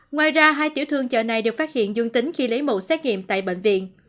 ngoài ra hai tiểu thương chợ này được phát hiện dương tính khi lấy mẫu xét nghiệm tại bệnh viện